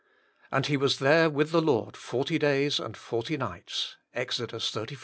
And he was there with the Lord forty days and forty nights (Ex. xxxiv. 28).